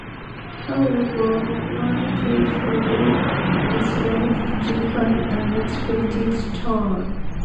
However, one fateful day, his life took an unexpected turn.